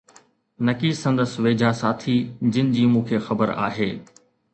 نڪي سندس ويجھا ساٿي، جن جي مون کي خبر آھي.